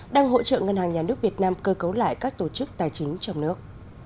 đang hỗ trợ ngân hàng nhà nước việt nam cơ cấu lại các tổ chức tài chính trong nước